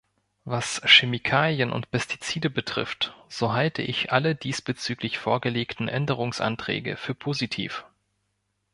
Was Chemikalien und Pestizide betrifft, so halte ich alle diesbezüglich vorgelegten Änderungsanträge für positiv.